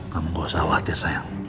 kamu gak usah khawatir saya